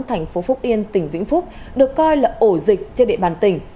thành phố phúc yên tỉnh vĩnh phúc được coi là ổ dịch trên địa bàn tỉnh